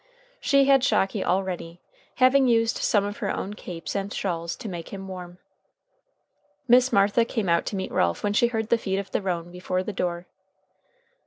She had Shocky all ready, having used some of her own capes and shawls to make him warm. Miss Martha came out to meet Ralph when she heard the feet of the roan before the door.